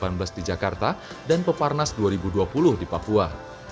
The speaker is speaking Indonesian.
para games dua ribu delapan belas di jakarta dan peparnas dua ribu dua puluh di papua